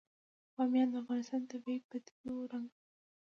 بامیان د افغانستان د طبیعي پدیدو یو رنګ دی.